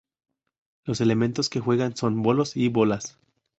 Los elementos que juegan son: bolos y bolas.